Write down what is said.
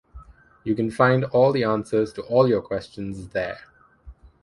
You can find all the answers to all your questions there.